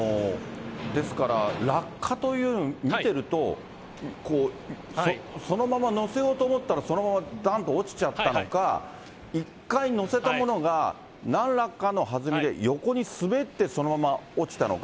ですから、落下というよりも、見てると、そのまま載せようと思ったら、そのままだんと落ちちゃったのか、一回載せたものが、なんらかのはずみで横に滑ってそのまま落ちたのか。